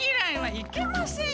いけません！